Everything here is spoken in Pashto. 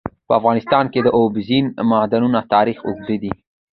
په افغانستان کې د اوبزین معدنونه تاریخ اوږد دی.